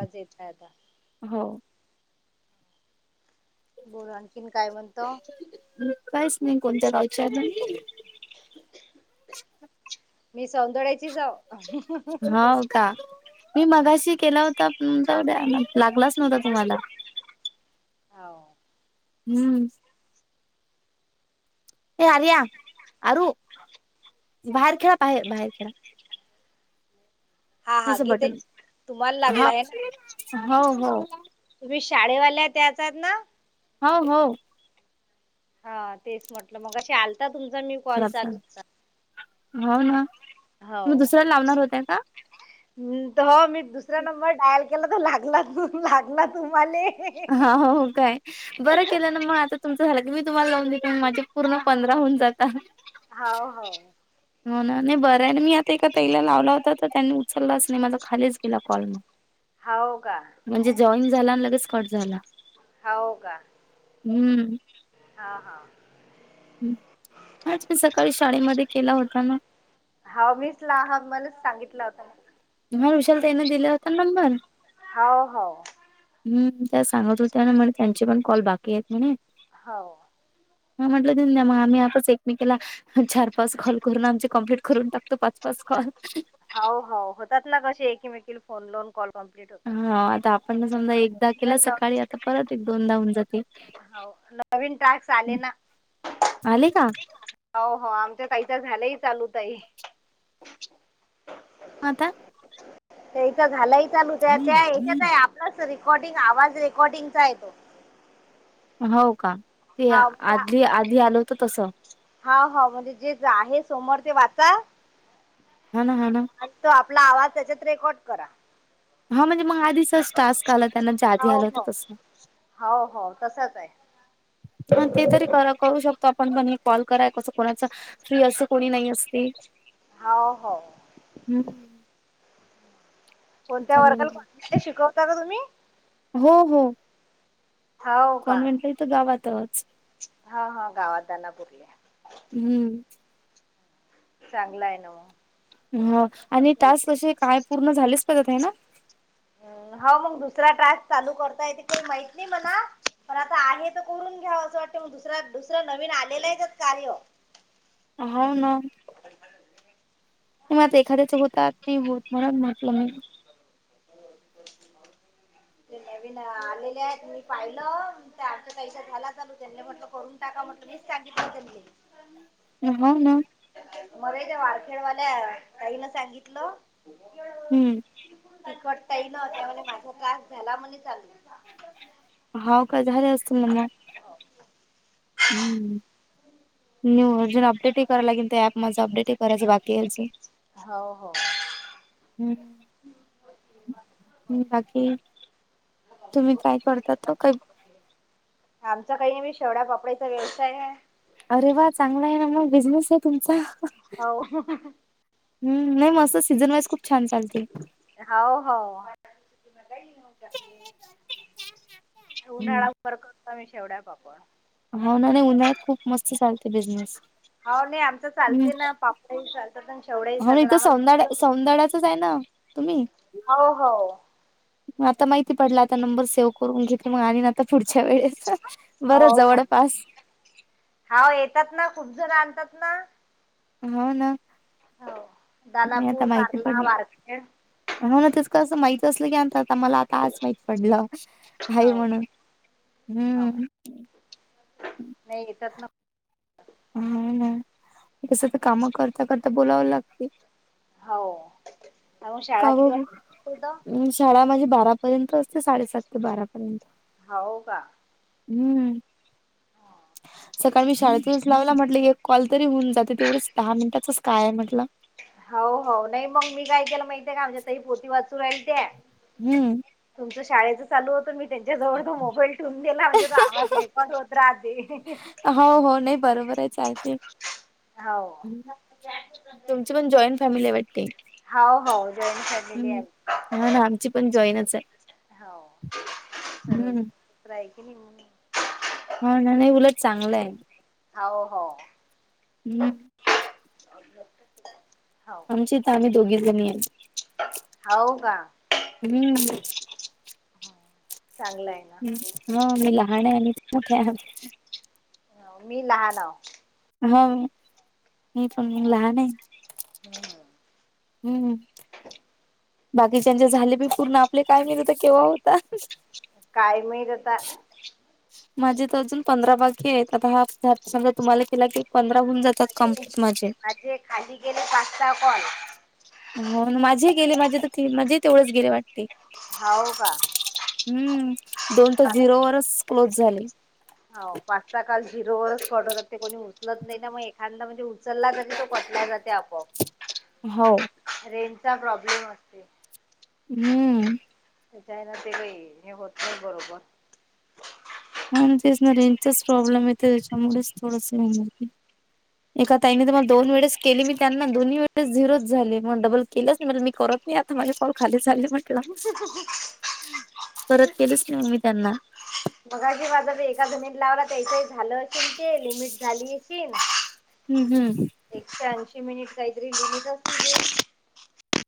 आज येतय आता. हो. बोल आणखीन काय म्हणतो? अं काहीच नाही कोणत्या गावच्या [unintelligible] मी सौंदर्याची जाऊ. हो का? मी मगाशी केला होता तुमचं डायल अ लागलाच नव्हता तुम्हाला. हो. हम्म. हे आर्या आरु बाहेर खेळा, बाहेर बाहेर खेळा. हा हा हेच आहे गीते बटन, तुम्हाला हो लागला आहे ना हो हो. तुम्ही शाळेवाल्या त्याच आहेत ना? हो, हो. हा तेच म्हटलं मगाशी आलता तुमचा आणि मी कॉल खराब चालू झालं होता. हो ना? हो. तुम्ही दुसऱ्याला लावणार होत्या का? तवा मी दुसरा नंबर डायल केला तर लागला लागला तुम्हाला. हा हो हो काय बरं केलं ना मग आता तुमचं झालं की मी तुम्हाला लावून देते मग माझे. पूर्ण पंधरा होऊन जाता. हाव हो. हो ना नाही बरं आहे मी आता एका तईला लावला होता तर त्यांनी उचललाच नाही माझा खालीच गेला कॉल मग. हो का. म्हणजे जॉईन झाला आणि लगेच कट झाला. हो का? हम्, हा आज काय सकाळी शाळेमध्ये. केला होता ना. हा मीस ला हा मलाच सांगितला होता. तुम्हाला विशाल तईने दिले होता नंबर. हाव हाव. हम्म त्या सांगत होत्या ना म्हणे त्यांचे पण कॉल बाकी आहेत म्हणे. हो. हा म्हटलं त मग आम्ही आपच एकमेकीला. चार पाच कॉल करून आमचे कमप्लीट करून टाकतो पाच पाच कॉल. हो हो होतात ना कशी एकीमेकी फोन लोन. कॉ कंप्ट. [unintelligible] हा आता आपण समजा एकदा केलं घटना सकाळी आता परत एक दोनदा होऊन जाते. हो नवीन टास्क आले ना. आले का? हो हो आमच्या ताईचा झालंय चालू ताई. म आता. त्याचा झालाही चालू त्या त्या हच्यात आहे आपला रेकॉर्डिंग आवाज रेकॉर्डिंगचा आहे तो. हो का ते हा म्हणजे अधली आ- आधी आलं होतं तस. हा हो म्हणजे जे आहे समोर ते वाचा. हाणा हाणा. आणि तो आपला आवाज त्याच्यात रेकॉर्ड करा. हा म्हणजे मग आधी टास्क आला. त्यांना चाधी हो आलं होत हो तस ह हो हो तसंच आहे ते तरी. तर करू शकतो आपण पण हे कॉल कराय कसं कोणाच फ्री असत कोणी नाही असते. हो हो. हम्म. कोणत्या त्याच्यामुळे वर्गाला को शिकवता का तुम्ही. हो हो. हो का? कॉन्व्हेंटला इथं गावातच हा हा गावात जानापूरले. हम्म. चांगला आहे ना मग. हो आणि टास्क असे काय पूर्ण झालेच पहित ना. हो मग दुसरा टास्क चालू करताय त माहित नाही मला. पण आता आहे तर करून घ्याव असं वाटतं मग दुसरा दुसरं नवीन आलेलं आहेच कार्य. हो ना. ते मझ एखाद्याच होतात ते होत म्हणत म्हटलं मी. नवीन आलेले आहेत तुम्ही पाहिलं. अच्या पैश झाला चालू त्यांनी म्हटलं करून टाका म्हण मीच सांगितलं त्यांनी. ह ना. मर त्या वारखेड वाल्या ताईंना सांगितलं. हम्म. तिकट ताई न होत्या म्हणे माझा त्रास झाला म्हणे चालू. होव का झाले असतील ना मग. हम्म न्यू वर्जन अपडेट करायला लागेल ते ऍप म अपडेट करायचं बाकी यायचं हाव, हाव हम्म. बाकी तुम्ही काय करता तो काही आमचा काही नाही मी शेवडापापड्याचा व्यवसाय आहे अरे वा चांगला आहे ना मग बिझनेस आहे तुमचा. हाव हम् नाही मस असं सीझन वाईज खूप छान चालते हाव, हाव हम्म उन्हाळा्यावर करतो मी शेवड्या पापड होना ना रे उन्हाळ्यात खूप मस्त चालते बिझनेस हो नाही आमचं हम चालते ना चालतात प शेवढ्या चालात आम्हा तू जाईना मम्मी हाव, हाव आता माहिती पडला आता नंबर सेव्ह करून घेतली मग आणन आता पुढच्या वेळेस बरं जवळपास हाव येतात ना खूप जण आणतात ना हाव ना हाव मी आता दानापूर माहिती कारला पडलं वारखेड हो ना तेस कां असं माहतीत असलं की आणतात आम्हाला आता मला आता आज माहित पडलं आहे हो म्हणून हम नाहीे येतात ना हा ना एस काम करता करता बोलाव लागते हाव काव हंस शाळा म्हजे बारापर्यंत असते साडेसात ते बारापर्यंत हाव का हम्म हा सकाळी शाळेतून लावला म्हटले एक कॉल तरी होऊन जाते तेवढेच दहा मिनिटातच काय म्हटलं हाव, हाव नाही मग मी काय केलं माहतीे का आमच्याही पोती वाचू राहीत्या हम्म तुमच्या शाळेचे चालू होतं मी त्यांच्याजवळ तो मोबाईल टेवून गेला म्हणजे तो आवाज रेकॉर्ड होत राहते होणे बरोबर आहेत चालते हाव तुमची पण जॉईंट फॅमिली आहे वाटते हाव, हाव जॉईन फॅमिली आहे हम्म हा ना आमची पण जॉईनच आहे हाव हम्म सर्वत्र आहे की नाही हा नाही नाही उलट चांगलं आहे हाव, हाव हम्म [inaudible] आमची इथ आम्ही दोघी जणी हाव का हम्म चांगलं आहे ह मी लहान आहे आणि मोठे‌ आहे आम्ही हो मी लहान हाव ह मी पण लहान आहे [inaudible] हम्म बाकीच्याचे झाले पी पूर्ण आपले काय माहीत आता केव्हा होता. काय माहीत आता. माझे तर अजून पंधरा बाकी आहेत आता हा समजा तुम्हाला केला की पंधराहून जात माझे कंप्लीट माझे. माझे खाली गेले पाच सहा कॉल. हो माझे गेले माझे तर माझे तेवढच गेले वाटतेय. हावू का? हम्म दोन ते झिरो वरच क्लोज झाले. हो पाचचा काल झिरोस कडरत ते कोणी उचलत नाही ना मग एखादा म्हणजे. चलला जाते तो पटलाय जाते आपोआप. हो. रेंज चा प्रॉब्लेम असते. हम्म. आहे ना ते काही हे होतय बरोबर. आणि तेच ना रेचाच प्रॉब्लेम येत त्याच्यामुळेच थोडस होणार. एका ताईने मला दोन वेळेस केली मी त्यांना दोन्ही वेळेस झिरोच झाले म्ह मग डबल केलंच नाही मी करत नाही. माझे कॉल खाली झाली म्हटलं. ह. [unintelligible] परत केलंच नाही मग मी त्यांना. बघा जी माझा एका जमीत लावला त्याचही झालं असल ते लिमिट झाली. अशीन हम्म हम्म. एकशे ऐंशी मिनिट काहीतरी लिलीत असे.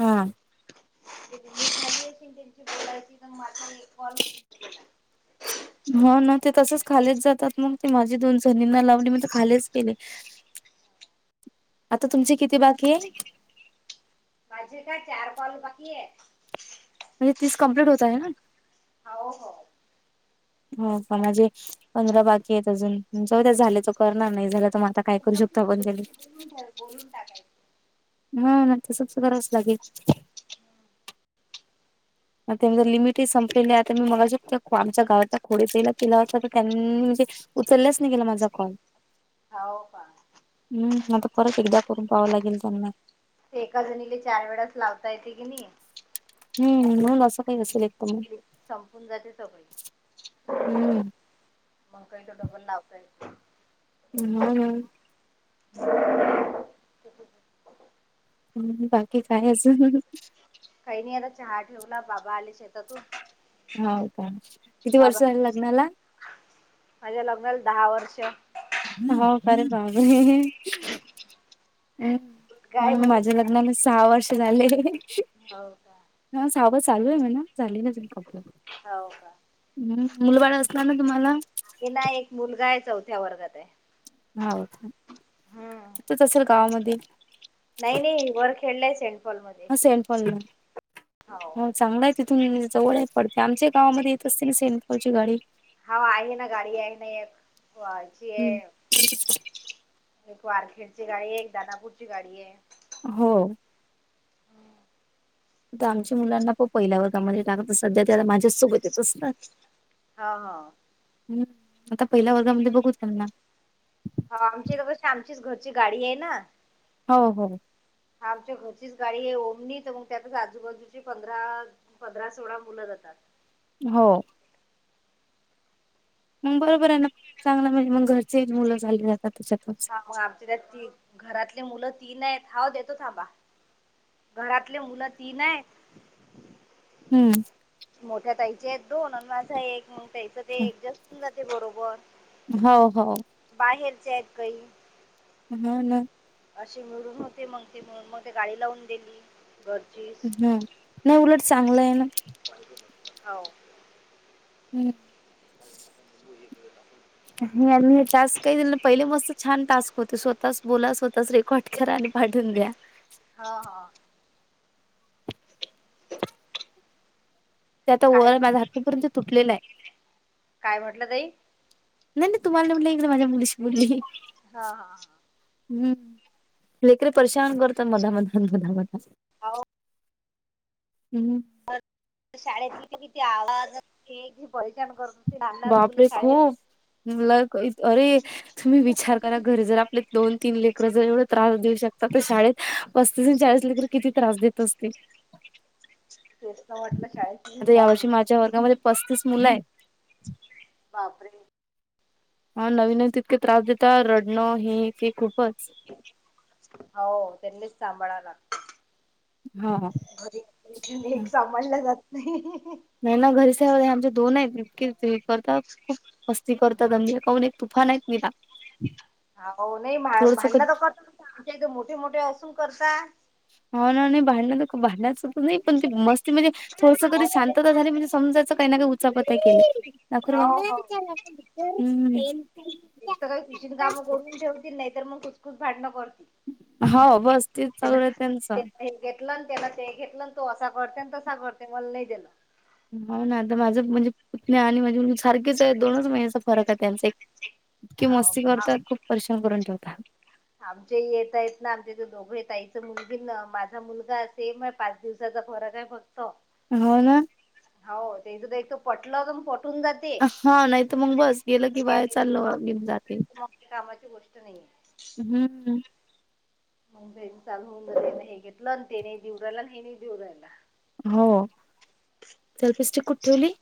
हा. ते खाली आहेत. त्यांची बोलायची तर माझा कॉल. [unintelligible] ह ना ते तसेच खालेच जातात मग ते माझी दोन जणींना लावली मी तर खालेच गेले. [inaudible] आता तुमचे किती बाकी आहे? माझे काय चार कॉल बाकी आहे. म्हणजे तीस कमप्लीट होतय ना. हो हो. हो पण माझे पंधरा बाकी आहेत अजून चौद्या झाले त करणार नाही झाला तर मा. ब बोलून टाकायच. [unintelligible] ह ना तसंच धराच लागेल मग त्यांं लिमिट ह संपलेलं आहे आता मी बगा शक आमच्या गावातल्या खोडेसला केला होता तर त्यांनी म्हणजे. उचलल्याच नाही गेला माझा कॉल. हाव का. हम्म आता परत एकदा करून पाहावं लागेल त्यांना. एका जणीले चार वेळाच लावता येते की नाही. हम्म म्हणून असं काय नसेल एक तर मग. संपून जाते सगळी हम्म मग काही तो डबल लावताय. हम हम. हम् बाकी काय अजून? काही नाही आता चहा ठेवला बाबा आले शेतातून. हो का, किती वर्ष बाबा झालं लग्नाला? माझ्या लग्नाला दहा वर्ष. हो खरे का बापरे काय [unintelligible] म्हण माझेला. मग सहा वर्ष झाले. हाव का. ह सावं चालू आहे म्हना झाले कपड. हाव का. हम् मुलबाळ असला ना तुम्हाला. तिला एक मुलगा आहे चौथ्या वर्गात आहे. हाव हम्म हतच असेल गावामध्ये नाही नाही वर खेळलंय सेंटपॉल मध्ये. ह सेंट पॉल हो ला चांगला आहेत. तिथून जवळ पडते आमच्या गावामध्ये येत असते ना सेंटपॉल ची गाडी हा आहे ना गाडी आहे ना [unintelligible] आहे. हम्म एक वारखेड ची गाडी एक दानापूरची गाडी आहे. हो. तर आमच्या मुलांना पण पहिल्या वर्गामध्ये टाकत सध्या त्याला माझ्या सोबत येत असतात. हा हा. हम् आता पहिल्या वर्गामध्ये बघू त्यांना. हो आमची तर कशी आमचीच घरची गाडी आहे ना. हो.. हो.. आमच्या घरचीच गाडी आहे ओमनी तर मग त्यातच आजूबाजूची पंधरा पंधरा, सोळा मुलं जातात. हो.. मग बरोबर आहे ना चांगला म्हणजे मग घरचे मुलं चालली जातात. त्याच्यातच हां मग आ त्या ती घरातले मुलं तीन आहेत हाव देतो थांबा. घरातले मुलं तीन आहेत. हम्म. मोठ्या ताईच्या आहेत दोन आणि माझा एक मग त्यायच ऍडजेस्ट होऊन जाते बरोबर. हाव.. हाव. बाहेरचे आहेत काई हा ना. असे मुरूम होते मग ते मुरूम मग ते गाडी लावून दिली घरची. हम् नाही उलट चांगलं आहे ना. [unintelligible] हावू.. हम्. आणि हे टास्क काही दिलं ना पहिले मस्त छान टास्क होते स्वतः बोला स्वतःच रेकॉर्ड करा आणि पाठून द्या. हो ह. ते आता काय ओरल माझ ही [unintelligible] पर्यंत तुटलेला आहे. काय म्हटलं तई. नाही नाही तुम्हाला नाही म्हटलं इकडं माझ्या मुलीशी बोलली. हा हा. हम्म. लेकरी परशान करतात मधामध मधामध. अहो हम्म. शाळेत इथ किती किती आवाज ही पहिचान करून बापरे! ! खूप ल अरे तुम्ही विचार करा घर जर आपले. दोन तीन लेकरं जर एवढे त्रास देऊ शकतात. तर शाळेत पस्तीस, चाळीस लेकरं किती त्रास देत असतील. तेच म्हटलं शाळेत किती आता या त्रास वर्षी माझ्या देते वर्गामध्ये [unintelligible] पस्तीस मुलं आहेत. बापरे! ! हा नवीन तितके त्रास देेतात रडणं हे ते खूपच. हो त्यांनीच सांभाळायला लागतय. हा ह. घरी एक सांभाळला जात नाही. नाही ना घरीच आमचे दोन आहे इतकी करतात खूप. मस्ती करतात दम द काऊन एक तुफान आहेत निला. हा नाही भांडणं तर करत न आमच्या इथे मोठे मोठे असून करता. हा ना नाही भांडण तर भांडणच नाही पण ते मस्ती म्हणजे. थोडस करी मग ते शांतता झाली म्हणजे समजायचं काही ना काही उचापतय केलीखोर. हो हो हम्. एक तर काही किचन कामं करून ठेवतील नाही तर मग कुसखुस भांडणं करतील. हो बस. तेच त्याला चालू आहे त्यांचं हे घेतलं त्याला ते घेतलं तो असा करते तसा करते मला नाही दिलं. हो ना आता माझं म्हणजे पुतण्या आणि माझी मु सारखेच आहे दोनच महिन्याचा फरक आहे त्यांचा एक. इतकी हाव मस्ती करतात खूप परिश्रम करून ठेवत. आमचे येत आहेत ना आमचे ते दोघं आहेतचं मुलगी माझा मुलगा असेम आहे पाच दिवस. त्याचा फरक काय बघतो. हो ना? हो ते सु एक पटलं तर पटून जात. हा नाही तर मग बस गेलं की बाहेर चाललं घेऊन जाते. मग ते कामाची गोष्ट नाहीये. हम्म. री चाल होऊ न दे नाही हे घेतलं आणि ते नाही देऊ राहिला आणि हे नाही देऊ राला. हो सल्पिस्टिक कुठ ठेवली?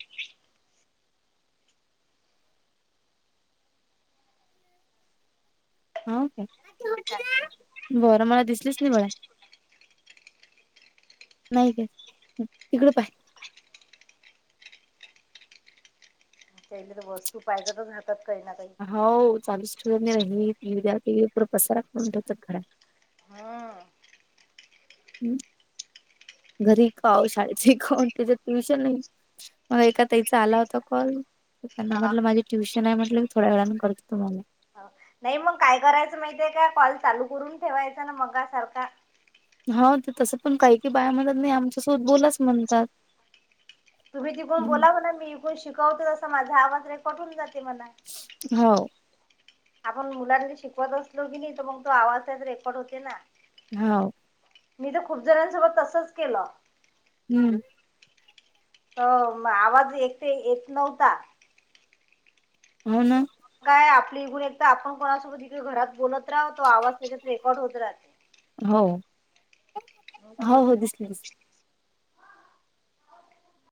हा का बरं, मला दिसलीच नाही बाळा! नाही का तिकड पाहि. त्या तर वस्तू पाहिज तरच राहात काही ना काही. हो चालूच ठेव रहीद्या त पुढ पसारा म्हणून ठेवतात घराात. हा. हम् घरी काव शाळेत शखव त ट्यूशन नाही. मग एका ताईचा आला होता कॉल. त्यांना हा म्हटलं माझी ट्युशन आहे म्हट की थोड्या वेळाने करते तुम्हाला. नाही मग काय करायचं माहिते का कॉल चालू करून ठेवायचा ना मग सारखा. ह ते तसं पण काही की बायामध्ये नाही आमच्यासोबत बोलाच म्हणतात. तुम्ही तिकून हम्म. बोला म्ह मी इकून शिकवते तसं माझा आवाज् रेकॉर्ड होऊन जाते म्हणा. हाव. आपण मुलां शिकवत असलो की नाही तर मग तो आवाज त्याच रेकॉर्ड होते ना. हाव. मी तर खूप जणांसोबत तसंच केलं. हम्म. अ आवाज एकटे येत नव्हता. हो ना. काय आपली इघून एक तर आपण कोणासोबत इथडे घरात बोलत राह तो आवाज त्याच्यात रेकॉर्ड होत राहत. हो मग हो हो तसंच दिसलेस.